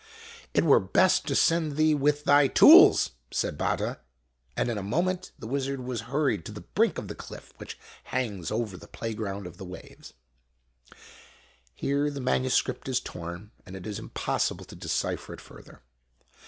" It were best to send thee with thy tools !" said Batta ; and in a moment the wizard was hurried to the brink of the cliff which hangs over the playground of the waves Here the manuscript is torn, and it is impossible to decipher it further.